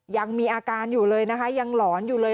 ยังมีอาการอยู่เลยนะคะยังหลอนอยู่เลย